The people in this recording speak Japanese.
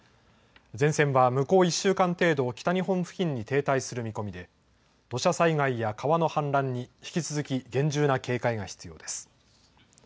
前線は向こう１週間程度北日本付近に停滞する見込みで土砂災害や川の氾濫に引き続き厳重な警戒が必要です。